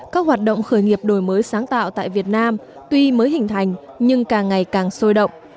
các hoạt động khởi nghiệp đổi mới sáng tạo tại việt nam tuy mới hình thành nhưng càng ngày càng sôi động